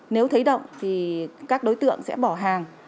nếu thấy động thì các đối tượng sẽ bỏ hàng